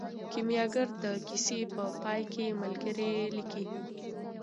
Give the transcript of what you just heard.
کیمیاګر د کیسې په پای کې ملګری کیږي.